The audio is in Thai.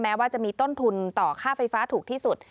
ว่าจะมีต้นทุนต่อค่าไฟฟ้าถูกที่สุด